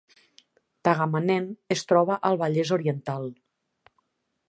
Tagamanent es troba al Vallès Oriental